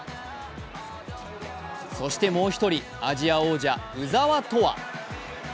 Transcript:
そしてもう１人、アジア王者、鵜澤飛羽。